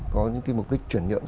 có những mục đích chuyển nhượng